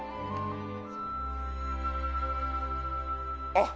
あっ！